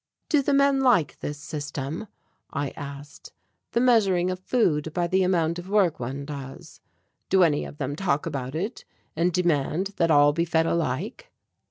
"Do the men like this system," I asked; "the measuring of food by the amount of work one does? Do any of them talk about it and demand that all be fed alike?"